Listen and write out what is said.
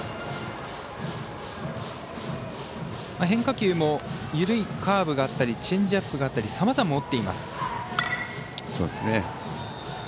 変化球も緩いカーブがあったりチェンジアップがあったりさまざま持っています。